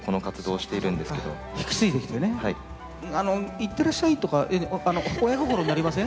いってらっしゃいとか親心になりません？